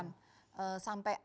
jadi masih ada beberapa bulan lagi ya